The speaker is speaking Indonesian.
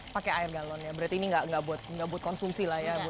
pakai air galon ya berarti ini nggak buat konsumsi lah ya bu